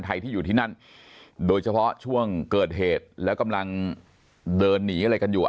ที่อยู่ที่นั่นโดยเฉพาะช่วงเกิดเหตุแล้วกำลังเดินหนีอะไรกันอยู่